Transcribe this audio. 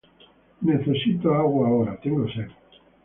Nessicito agua ahora. Tengo sed.